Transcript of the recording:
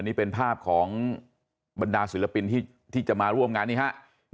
นี่เป็นภาพของบรรดาศิลปินที่จะมาร่วมงานนี้ครับ